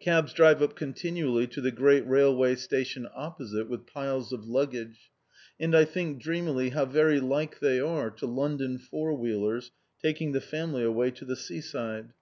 Cabs drive up continually to the great railway station opposite with piles of luggage, and I think dreamily how very like they are to London four wheelers, taking the family away to the seaside!